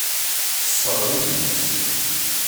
Tessṛeɣ-iyi-tt.